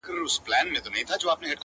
ستا اوس توره کوټه کي تنها شپې تېروي’